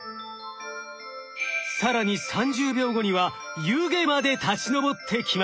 更に３０秒後には湯気まで立ち上ってきました。